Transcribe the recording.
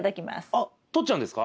あっとっちゃうんですか？